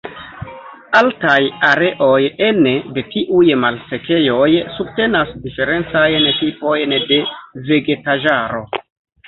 Altaj areoj ene de tiuj malsekejoj subtenas diferencajn tipojn de vegetaĵaro.